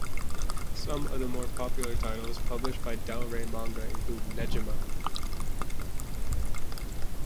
Some of the more popular titles published by Del Rey Manga include Negima!